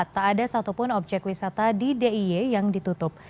tak ada satupun objek wisata di d i e yang ditutup